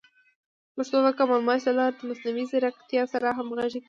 پښتو د کامن وایس له لارې د مصنوعي ځیرکتیا سره همغږي کیږي.